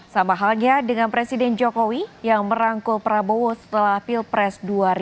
sama halnya dengan presiden jokowi yang merangkul prabowo setelah pilpres dua ribu sembilan belas